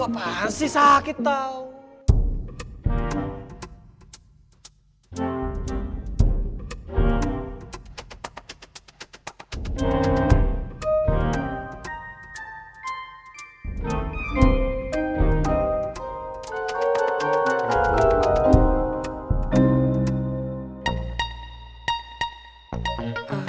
apaan sih sakit tau